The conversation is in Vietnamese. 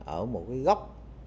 ở một cái góc